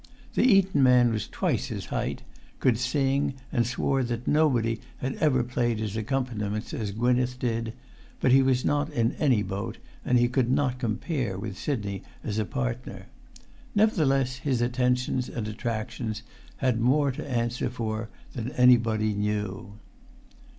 The Eton man was twice his height, could sing, and swore that nobody had ever played his accompaniments as Gwynneth did; but he was not in any boat, and he could not compare with Sidney as a partner. Nevertheless, his attentions and attractions had more to answer for than anybody knew.